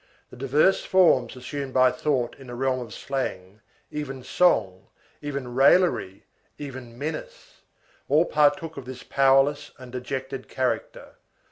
The diverse forms assumed by thought in the realm of slang, even song, even raillery, even menace, all partook of this powerless and dejected character.